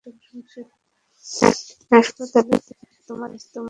হাসপাতালে তিনিই তোমার স্ত্রীর দেখভাল করেছিল।